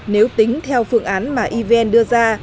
nếu tính theo phương án mà ivn đưa ra